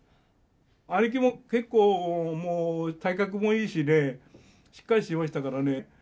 兄貴も結構もう体格もいいしねしっかりしてましたからね。